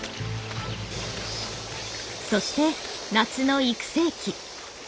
そして夏の育成期。